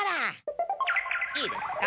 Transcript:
いいですか？